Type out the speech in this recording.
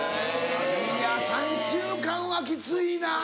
いや３週間はきついな。